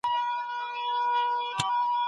ناروغي مه پټوئ